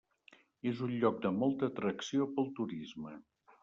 És un lloc de molta atracció pel turisme.